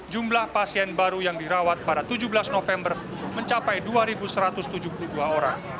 jumlah pasien baru yang dirawat pada tujuh belas november mencapai dua satu ratus tujuh puluh dua orang